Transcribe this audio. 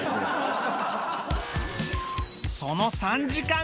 その３時間後